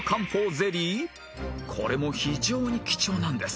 ［これも非常に貴重なんです］